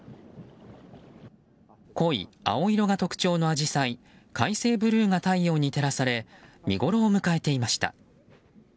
濃い青色が特徴のアジサイ開成ブルーが太陽に照らされ見ごろを迎えていました。